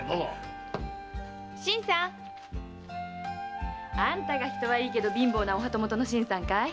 ・新さん！あんたが人はいいけど貧乏なお旗本の新さんかい？